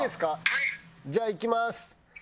「はい」じゃあいきます。